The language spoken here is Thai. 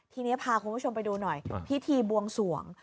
ทีนี้พาคุณผู้ชมไปดูหน่อยพิธีบวงสวง